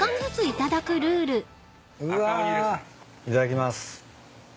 いただきます。